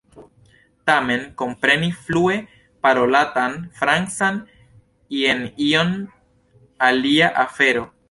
Tamen kompreni flue parolatan Francan jen iom alia afero.